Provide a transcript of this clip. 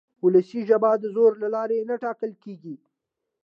وولسي ژبه د زور له لارې نه ټاکل کېږي.